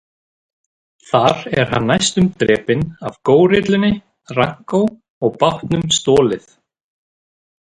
Þar er hann næstum drepinn af górillunni Ranko og bátnum stolið.